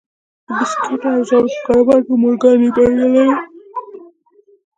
د بیسکويټو او ژاولو په کاروبار کې مورګان بریالی و